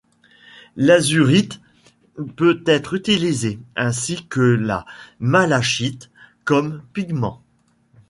L'azurite peut être utilisée, ainsi que la malachite, comme pigment.